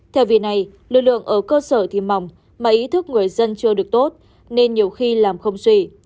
theo vì này lực lượng ở cơ sở thì mỏng mà ý thức người dân chưa được tốt nên nhiều khi làm không suy